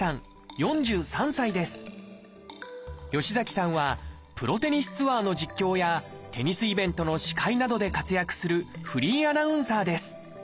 吉崎さんはプロテニスツアーの実況やテニスイベントの司会などで活躍するフリーアナウンサーです。